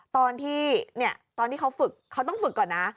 ตอนที่ตอนที่เขาฝึกเขาต้องฝึกก่อนนะ